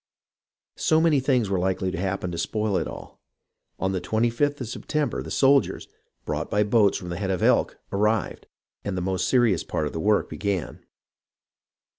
So many things were likely to happen to spoil it all ! On the 25th of September the soldiers, brought by boats from the Head of Elk, arrived, and the most serious part of the work began.